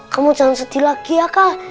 kamu jangan sedih lagi ya kah